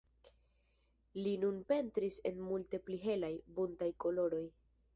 Li nun pentris en multe pli helaj, buntaj koloroj.